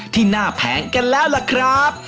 ที่หน้าแผงกันแล้วล่ะครับ